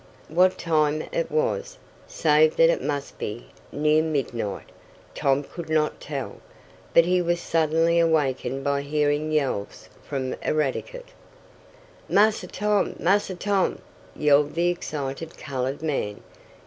What time it was, save that it must be near midnight, Tom could not tell, but he was suddenly awakened by hearing yells from Eradicate: "Massa Tom! Massa Tom!" yelled the excited colored man.